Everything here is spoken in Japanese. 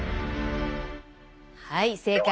はい正解。